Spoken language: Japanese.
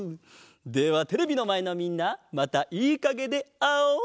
ではテレビのまえのみんなまたいいかげであおう！